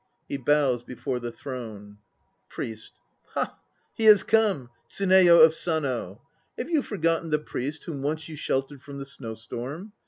(He bows before the Throne.) PRIEST. Ha ! He has come, Tsuneyo of Sano ! Have you forgotten the priest whom once you sheltered from the snow storm?